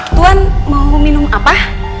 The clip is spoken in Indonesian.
tuan mau minum apa